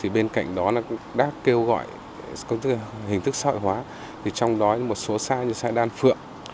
bên cạnh đó đã kêu gọi hình thức sợi hóa trong đó một số xã như xã đan phượng